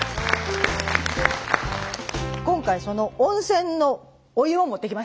今回その温泉のお湯を持ってきました。